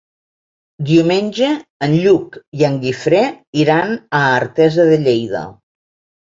Diumenge en Lluc i en Guifré iran a Artesa de Lleida.